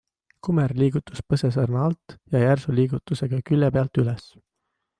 Kumer liigutus põsesarna alt ja järsu liigutusega külje pealt üles.